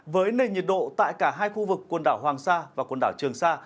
với nền nhiệt độ tại cả hai khu vực quần đảo hoàng sa và quần đảo trường sa